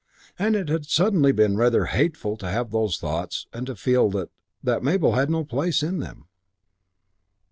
And it had suddenly been rather hateful to have those thoughts and to feel that that Mabel had no place in them.